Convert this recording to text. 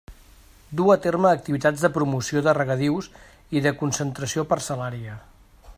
Du a terme activitats de promoció de regadius i de concentració parcel·lària.